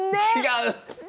違う！